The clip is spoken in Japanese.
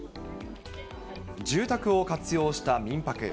住宅を活用した民泊。